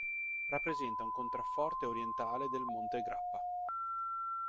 Rappresenta un contrafforte orientale del monte Grappa.